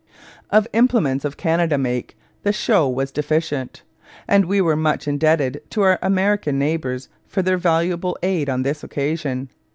Of implements of Canada make, the Show was deficient; and we were much indebted to our American neighbours for their valuable aid on this occasion.